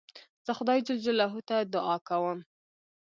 زه خدای جل جلاله ته دؤعا کوم.